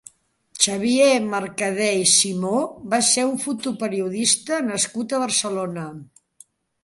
Xavier Mercadé i Simó va ser un fotoperiodista nascut a Barcelona.